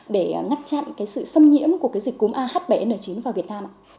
để ngắt chặn sự xâm nhiễm của dịch cúm a h bảy n chín vào việt nam ạ